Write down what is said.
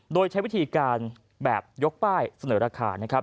โดยใช้วิธีการแบบยกป้ายเสนอราคานะครับ